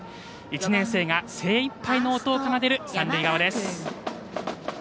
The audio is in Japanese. １年生が精いっぱいの音を奏でる三塁側です。